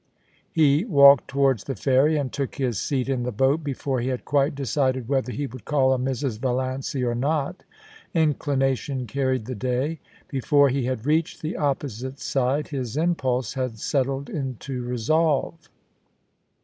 He walked towards the ferry, and took his seat in the boat before he had quite decided whether he would call on Mrs. Valiancy or not. Inclination carried the day. Before he had reached the opposite side, his impulse had settled into resolve.